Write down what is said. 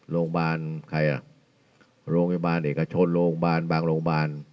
โรงพยาบาลใครอ่ะโรงพยาบาลเอกชนโรงพยาบาลบางโรงพยาบาล